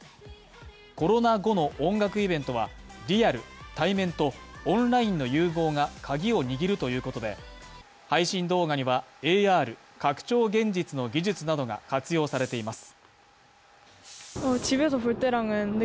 コロナ後の音楽イベントは、リアル、対面とオンラインの融合がカギを握るということで配信動画にはＡＲ＝拡張現実の技術などが活用されています。